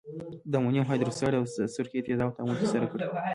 د امونیم هایدورکساید او د سرکې تیزابو تعامل ترسره کړئ.